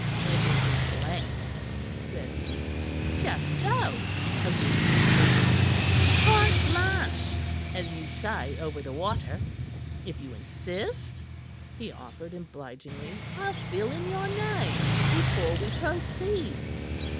"It is in blank," said he. "Just so," agreed Mr. Green. "Carte blanche, as you say over the water. If you insist," he offered obligingly, "I'll fill in your name before we proceed."